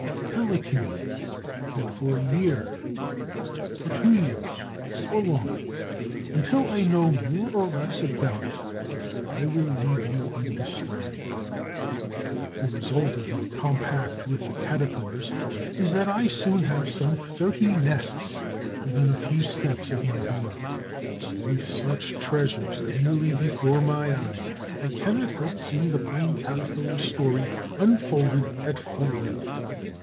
Tell it to me; and for a year, for two years or longer, until I know more or less about it, I will leave you undisturbed. The result of my compact with the Caterpillars is that I soon have some thirty nests within a few steps of my door. With such treasures daily before my eyes, I cannot help seeing the Pine Caterpillar's story unfolded at full length.